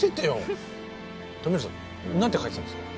富治さん何て書いてたんですか？